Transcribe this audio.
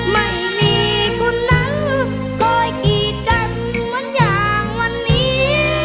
ไม่มีคุณนะคอยกี๊จันทร์เหมือนอย่างวันนี้